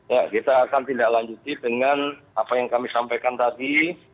ya kita akan tindak lanjuti dengan apa yang kami sampaikan tadi